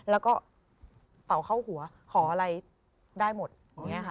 แล้วก็เป่าเข้าหัวขออะไรได้หมดอย่างนี้ค่ะ